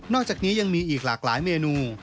อกจากนี้ยังมีอีกหลากหลายเมนู